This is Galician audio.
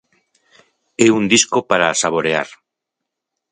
É un disco para saborear.